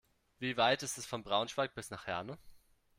Wie weit ist es von Braunschweig bis nach Herne?